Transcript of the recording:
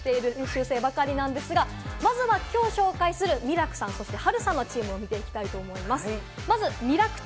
いずれも高評価を獲得している練習生ばかりなんですが、きょう紹介するミラクさん、そしてハルさんのチームを見ていきたいと思います。